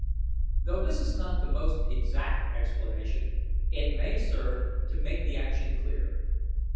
Though this is not the most exact explanation, it may serve to make the action clear.